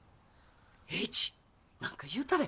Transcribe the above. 栄一何か言うたれ！